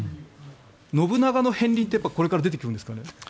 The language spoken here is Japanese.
信長の片りんってこれから出てくるんですかね。